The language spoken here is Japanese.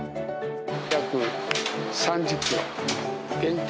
約３０キロ。